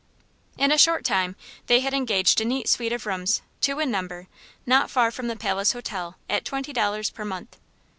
In a short time they had engaged a neat suite of rooms, two in number, not far from the Palace Hotel, at twenty dollars per month.